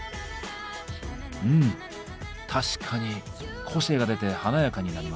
うん確かに個性が出て華やかになりますね。